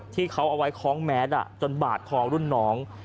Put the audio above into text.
ที่เขาเอาไว้คล้องแมสจนบาดคอรุ่นน้อง